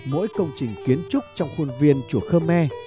mỗi công trình kiến trúc trong khuôn viên chùa khơ me